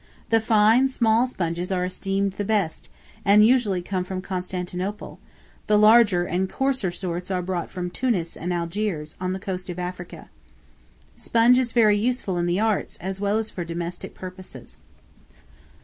The fine, small sponges are esteemed the best, and usually come from Constantinople; the larger and coarser sorts are brought from Tunis and Algiers, on the coast of Africa. Sponge is very useful in the arts, as well as for domestic purposes.